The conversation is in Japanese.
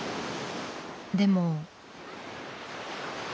でも。